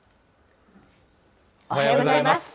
おはようございます。